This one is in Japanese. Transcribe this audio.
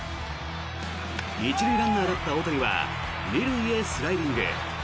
１塁ランナーだった大谷は２塁へスライディング。